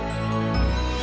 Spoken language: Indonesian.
jangan ditolak langsung denis